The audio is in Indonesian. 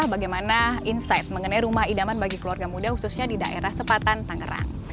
bagaimana insight mengenai rumah idaman bagi keluarga muda khususnya di daerah sepatan tangerang